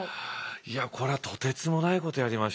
いやこれはとてつもないことやりましたよ。